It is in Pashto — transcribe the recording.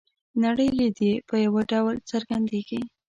نړۍ لید یې په یوه ډول څرګندیږي.